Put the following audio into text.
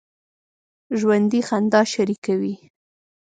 ژوندي خندا شریکه وي